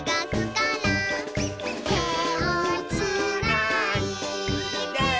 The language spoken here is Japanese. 「てをつないで」